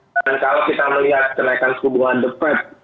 dan kalau kita melihat kenaikan suku buah the fed